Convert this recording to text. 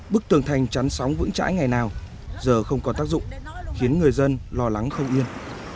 bức tường thành chắn sóng vững chãi ngày nào giờ không còn tác dụng khiến người dân lo lắng không yên